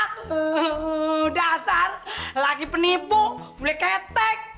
hehehe dasar laki penipu bule ketek